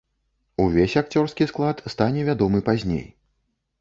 Увесь акцёрскі склад стане вядомы пазней.